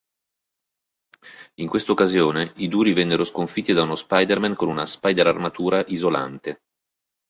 In questa occasione i Duri vennero sconfitti da uno Spider-Man con una “Spider-armatura” isolante.